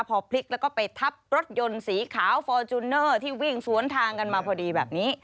พอพลิกแล้วก็ไปทับรถยนต์สีขาวฟอร์จูเนอร์ที่วิ่งสวนทางกันมาพอดีแบบนี้